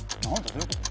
どういうこと？